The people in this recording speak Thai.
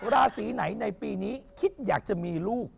ราศีไหนในปีนี้คิดอยากจะมีลูก